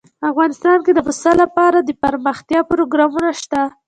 افغانستان کې د پسه لپاره دپرمختیا پروګرامونه شته.